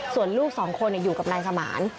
ส่วนลูกสองคนอยู่กับนายสมาน